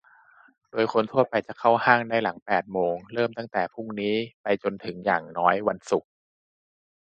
โดยคนทั่วไปจะเข้าห้างได้หลังแปดโมง เริ่มตั้งแต่พรุ่งนี้ไปจนถึงอย่างน้อยวันศุกร์